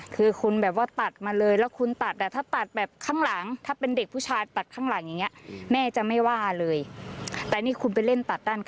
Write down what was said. ก็โดนตัดมาแบบว่าแก้ไม่ได้เลย